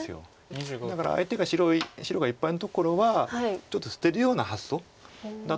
だから相手が白がいっぱいのところはちょっと捨てるような発想だと結構。